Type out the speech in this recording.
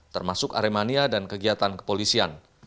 termasuk aremania dan kegiatan kepolisian